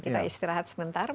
kita istirahat sementara